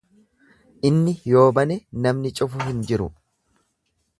Inni yoo bane namni cufu hin jiru.